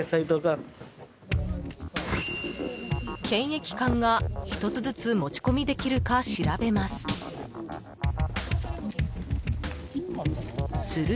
検疫官が１つずつ持ち込みできるか調べます。